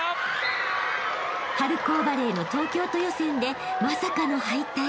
［春高バレーの東京都予選でまさかの敗退］